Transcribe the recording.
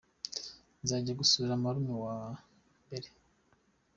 Nzajya gusura marume ku wa mbere.